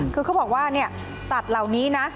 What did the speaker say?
คือเขาบอกว่าสัตว์เหล่านี้นะ